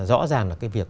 rõ ràng là cái việc